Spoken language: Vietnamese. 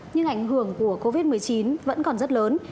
nhưng ảnh hưởng của covid một mươi chín vẫn còn rất lớn